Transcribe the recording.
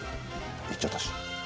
行っちゃったし。